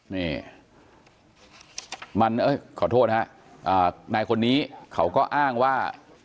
นี่มันเอ้ยขอโทษฮะนายคนนี้เขาก็อ้างว่า